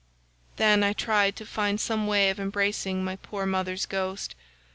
'93 "Then I tried to find some way of embracing my poor mother's ghost.